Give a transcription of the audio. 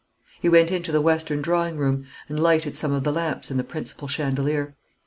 He went into the western drawing room, and lighted some of the lamps in the principal chandelier.